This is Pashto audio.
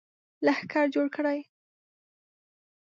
لښکر جوړ کړي.